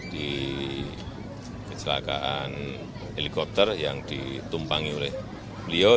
di kecelakaan helikopter yang ditumpangi oleh beliau